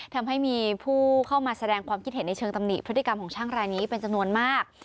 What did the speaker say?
ทำให้มีผู้เข้ามาแสดงความคิดเห็นในเชิงตำหนิพฤติกรรมของช่างรายนี้เป็นจำนวนมาก